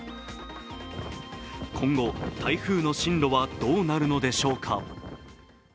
今後、台風の進路はどうなるのでしょうか。